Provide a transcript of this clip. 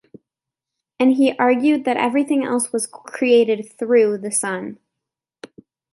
And he argued that everything else was created "through" the Son.